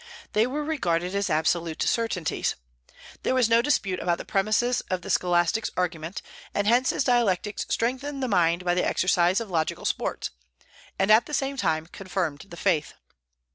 They were regarded as absolute certainties. There was no dispute about the premises of the scholastic's arguments; and hence his dialectics strengthened the mind by the exercise of logical sports, and at the same time confirmed the faith.